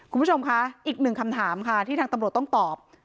คุณผู้ชมคะอีกหนึ่งคำถามค่ะที่ทางตำรวจต้องตอบ